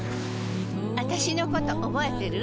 あたしのこと覚えてる？